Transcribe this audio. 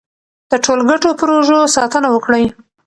د ټولګټو پروژو ساتنه وکړئ.